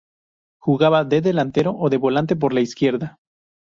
Jugaba de delantero o de volante por la izquierda.